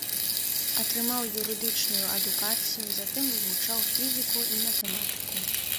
Атрымаў юрыдычную адукацыю, затым вывучаў фізіку і матэматыку.